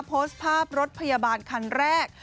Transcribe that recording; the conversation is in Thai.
โพสต์ภาพรถพยาบาลคันแรก